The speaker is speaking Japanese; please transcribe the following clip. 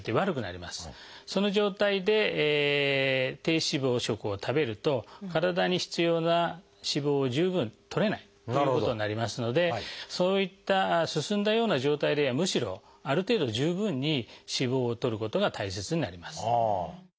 その状態で低脂肪食を食べると体に必要な脂肪を十分とれないということになりますのでそういった進んだような状態ではむしろある程度十分に脂肪をとることが大切になります。